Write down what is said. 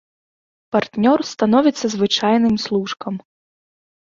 Партнёр становіцца звычайным служкам.